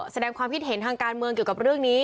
แสดงความคิดเห็นทางการเมืองเกี่ยวกับเรื่องนี้